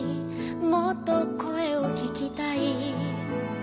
「もっとこえをききたい」